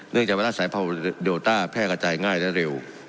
เนื่องจากเพราะละสายพับวิวินาทห์เดลต้านแพร่ประจายง่ายได้เร็ว